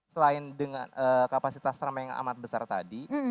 selain dengan kapasitas ramah yang amat besar tadi